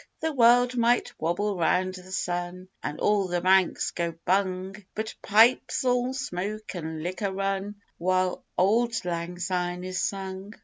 The world might wobble round the sun, an' all the banks go bung, But pipes'll smoke an' liquor run while Auld Lang Syne is sung.